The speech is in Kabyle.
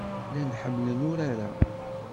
Llan ḥemmlen urar-a.